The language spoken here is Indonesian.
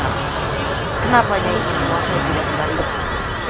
kenapa nyai itu langsung tidak menarik